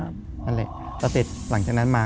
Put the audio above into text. นั่นแหละก็เสร็จหลังจากนั้นมา